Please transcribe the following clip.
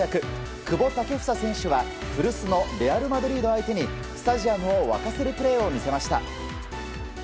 久保建英選手は古巣のレアル・マドリード相手にスタジアムを沸かせるプレーを見せました。